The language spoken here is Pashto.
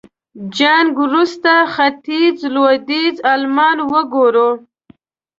جنګ وروسته ختيځ لوېديځ المان وګورو.